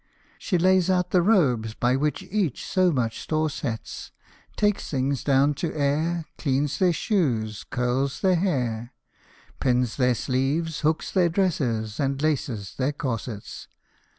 She lays out the robes by which each so much store sets, Takes things down to air, Cleans their shoes, curls their hair, Pins their sleeves, hooks their dresses, and laces their corsets.